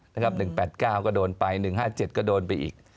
ให้ที่พักผิงผู้ต้องหา๑๘๙ก็โดนไป๑๕๗ก็โดนไปอีก